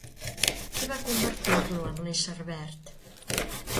Qui va convertir-lo en l'ésser verd?